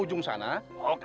ujung sana sampai ujung sana